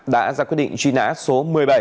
đã ra quyết định truy nã số một mươi bảy